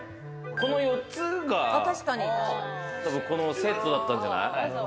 この４つがセットだったんじゃない？